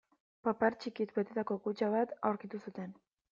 Papar txikiz betetako kutxa bat aurkitu zuten.